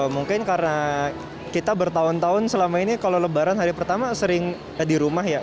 mungkin karena kita bertahun tahun selama ini kalau lebaran hari pertama sering di rumah ya